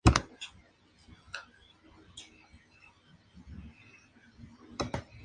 Es miembro de la International Society for Science and Religion.